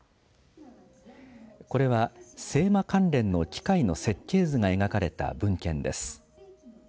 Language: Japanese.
これは製麻関連の機械の設計図が描かれた文献です。